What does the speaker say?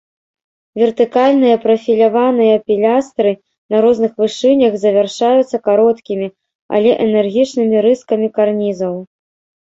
Вертыкальныя прафіляваныя пілястры на розных вышынях завяршаюцца кароткімі, але энергічнымі рыскамі карнізаў.